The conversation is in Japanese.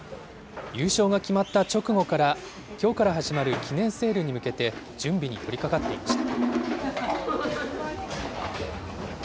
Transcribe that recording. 優勝が決まった直後から、きょうから始まる記念セールに向けて、準備に取りかかっていました。